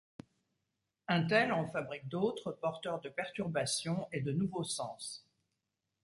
Untel en fabrique d’autres, porteurs de perturbation et de nouveaux sens.